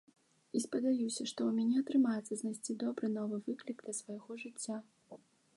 І спадзяюся, што ў мяне атрымаецца знайсці добры новы выклік для свайго жыцця.